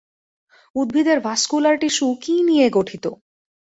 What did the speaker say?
উদ্ভিদের vascular tissue কি নিয়ে গঠিত?